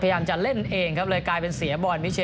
พยายามจะเล่นเองครับเลยกลายเป็นเสียบอลมิชิ